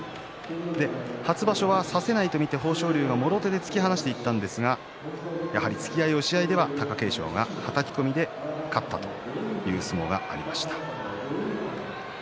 初場所は差さないと見て豊昇龍がもろ手で突き放していったんですがやはり突き合い、押し合いでは貴景勝が、はたき込みで勝ったという相撲がありました。